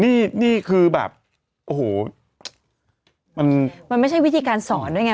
นี่นี่คือแบบโอ้โหมันไม่ใช่วิธีการสอนด้วยไง